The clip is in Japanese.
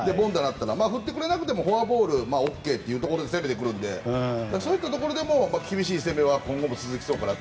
振ってくれなくてもフォアボールでＯＫというところを攻めてくるのでそういったところでも厳しい攻めは今後も続くかなと。